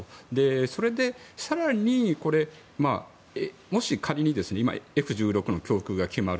それで更にもし、仮にＦ１６の供給が決まる。